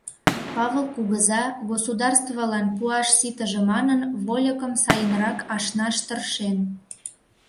Павыл кугыза, государствылан пуаш ситыже манын, вольыкым сайынрак ашнаш тыршен.